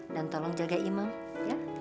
dan tolong jaga imam ya